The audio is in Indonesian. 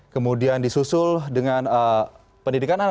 kemudian disusul dengan pendidikan anak anak